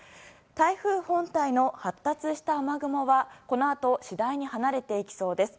台風本体の発達した雨雲はこのあと次第に離れていきそうです。